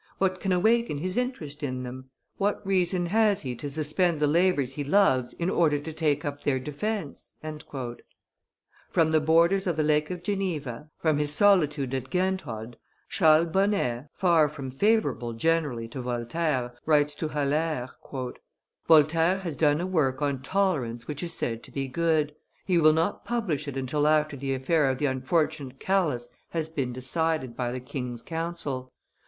What can awaken his interest in them? What reason has he to suspend the labors he loves in order to take up their defence?" From the borders of the Lake of Geneva, from his solitude at Genthod, Charles Bonnet, far from favorable generally to Voltaire, writes to Haller, "Voltaire has done a work on tolerance which is said to be good; he will not publish it until after the affair of the unfortunate Calas has been decided by the king's council.